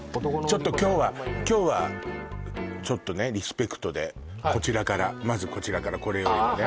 ちょっと今日は今日はちょっとねリスペクトでこちらからまずこちらからこれよりもね